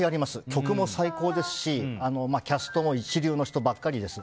曲も最高ですしキャストも一流の人ばっかりです。